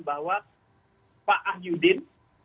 bahwa pak ah yudin